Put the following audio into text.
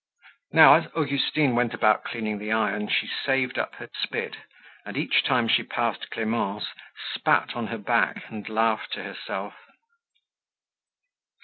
Now, as Augustine went about cleaning the iron, she saved up her spit and each time she passed Clemence spat on her back and laughed to herself.